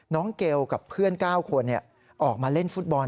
เกลกับเพื่อน๙คนออกมาเล่นฟุตบอล